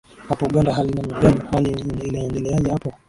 hapo uganda hali namna gani hali iliendeleaje hapo